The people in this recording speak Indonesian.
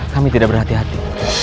kami tidak berhati hati